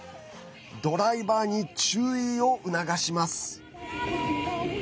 ドライバーに注意を促します。